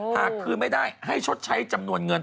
หากคืนไม่ได้ให้ชดใช้จำนวนเงิน